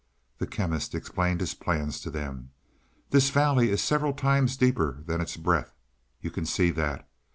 The Chemist explained his plans to them. "This valley is several times deeper than its breadth; you can see that.